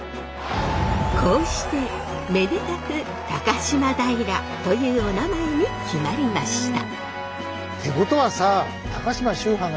こうしてめでたく高島平というおなまえに決まりました。